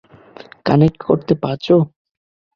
Connect করতে পারছো?